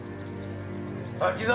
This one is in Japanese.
滝沢！